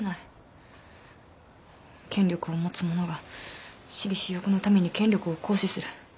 権力を持つ者が私利私欲のために権力を行使する